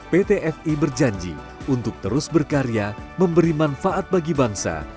pt fi berjanji untuk terus berkarya memberi manfaat bagi bangsa